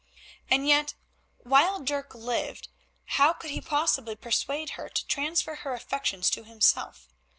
And yet while Dirk lived how could he possibly persuade her to transfer her affections to himself?